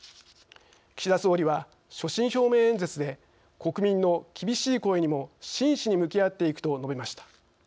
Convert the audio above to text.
岸田総理は、所信表明演説で「国民の厳しい声にも真しに向き合っていく」と述べました。